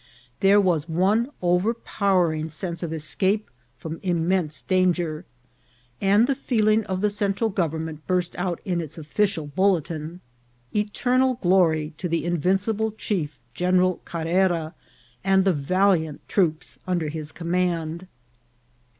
There was one overpowering sense of escape from im mense danger, and the feeling of the Central govern ment burst out in its official bulletin :" Eternal glory to the invincible chief General Carrera, and the valiant troops under his command